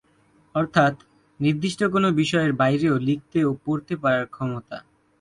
অর্থাৎ, নির্দিষ্ট কোনো বিষয়ের বাইরেও লিখতে ও পড়তে পারার ক্ষমতা।